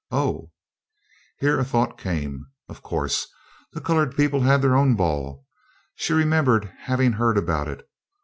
"Oh!" Here a thought came. Of course, the colored people had their own ball; she remembered having heard about it.